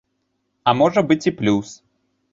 А можа быць і плюс.